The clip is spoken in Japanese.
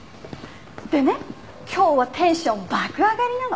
でね今日はテンション爆上がりなの。